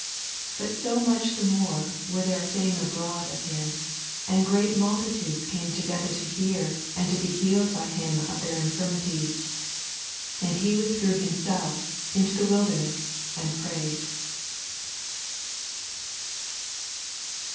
15 Bat so mach the more went thert a fame abroad of him ; and great mal titades came together to hear, and to be healed by him of their infirmities. 16 And he withdrew himself into the wilderness, and prayed.